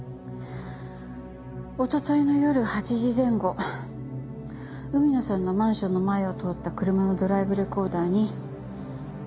一昨日の夜８時前後海野さんのマンションの前を通った車のドライブレコーダーに。